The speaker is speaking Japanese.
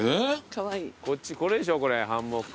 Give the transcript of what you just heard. こっちこれでしょハンモック。